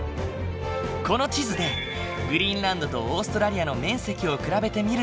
この地図でグリーンランドとオーストラリアの面積を比べてみると。